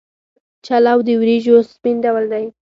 چلو د وریجو سپین ډول دی.